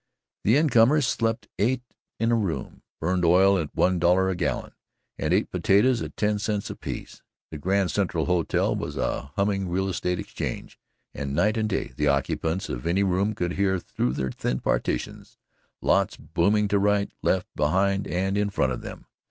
The incomers slept eight in a room, burned oil at one dollar a gallon, and ate potatoes at ten cents apiece. The Grand Central Hotel was a humming Real Estate Exchange, and, night and day, the occupants of any room could hear, through the thin partitions, lots booming to right, left, behind and in front of them.